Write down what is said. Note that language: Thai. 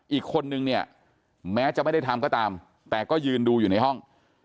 อีกคนนึงเนี่ยแม้จะไม่ได้ทำก็ตามแต่ก็ยืนดูอยู่ในห้อง